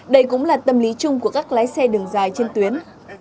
đây cũng là tâm lý chung của các lái xe đường dài trên tuyến